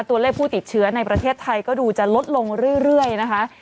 ตัวเลขผู้ติดเชื้อในประเทศไทยก็ดูจะลดลงเรื่อยนะคะ